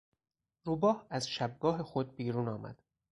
روباه از شبگاه خود بیرون آمد.